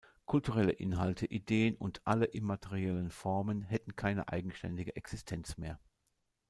Kulturelle Inhalte, Ideen und alle immateriellen Formen hätten keine eigenständige Existenz mehr.